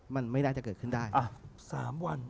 มันไม่ได้เกิดขึ้นได้